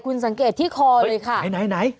คุณสังเกตที่คอเลยค่ะไหนไหน